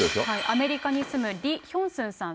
アメリカに住むリ・ヒョンスンさん